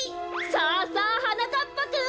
さあさあはなかっぱくん！